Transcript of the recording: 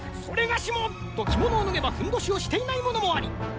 「それがしも」ときものをぬげばふんどしをしていないものもあり。